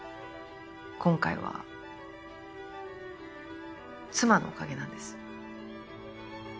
今回は妻のおかげなんです。